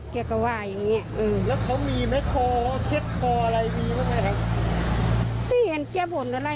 เขาจะนอนอยู่ตรงโต๊ะตัดผม